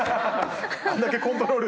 あんだけコントロール。